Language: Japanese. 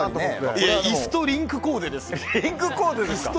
椅子とリンクコーデですよ。